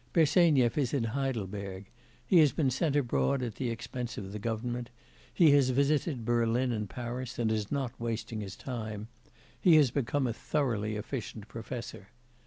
Bersenyev is in Heidelberg; he has been sent abroad at the expense of government; he has visited Berlin and Paris and is not wasting his time; he has become a thoroughly efficient professor.